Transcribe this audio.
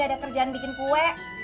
ada kerjaan bikin kue